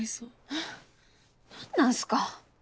ハァ何なんすか。